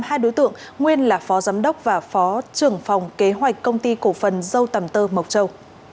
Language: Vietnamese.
hai đối tượng nguyên là phó giám đốc và phó trưởng phòng kế hoạch công ty cổ phần dâu tầm tơ mộc châu